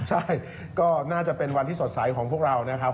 ใช่ก็น่าจะเป็นวันที่สดใสของพวกเรานะครับ